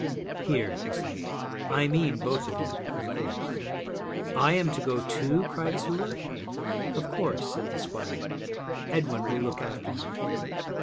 'Here,' he said, 'I mean both of you, of course.' 'I am to go, too?' cried Sula. 'Of course,' said the squire. 'Edwin will look after you.'